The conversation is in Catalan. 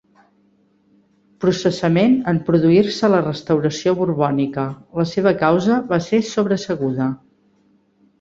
Processament en produir-se la restauració borbònica, la seva causa va ser sobreseguda.